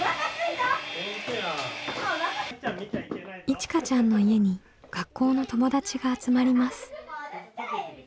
いちかちゃんの家に学校の友達が集まります。